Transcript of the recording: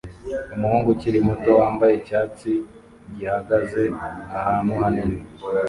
Umuhungu ukiri muto wambaye icyatsi gihagaze ahantu hanini